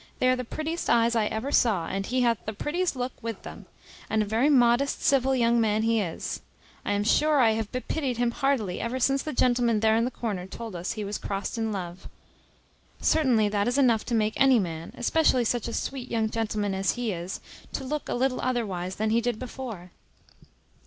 they are the prettiest eyes I ever saw, and he hath the prettiest look with them; and a very modest civil young man he is. I am sure I have bepitied him heartily ever since the gentleman there in the corner told us he was crost in love. Certainly that is enough to make any man, especially such a sweet young gentleman as he is, to look a little otherwise than he did before.